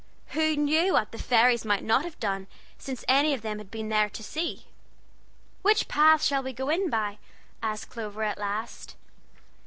Who knew what the fairies might not have done since any of them had been there to see? "Which path shall we go in by?" asked Clover, at last.